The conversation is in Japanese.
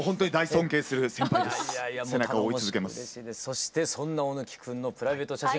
そしてそんな大貫くんのプライベート写真